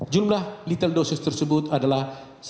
jumlah litel dosis tersebut adalah